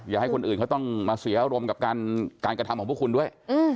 อย่าให้คนอื่นเขาต้องมาเสียอารมณ์กับการกระทำของพวกคุณด้วย